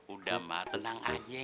udah mak tenang aja